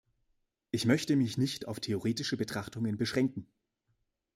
Ich möchte mich nicht auf theoretische Betrachtungen beschränken.